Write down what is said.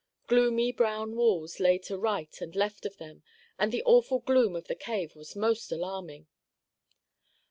Gloomy brown walls lay to right and left of them, and the awful gloom of the cave was most alarming.